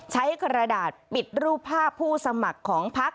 กระดาษปิดรูปภาพผู้สมัครของพัก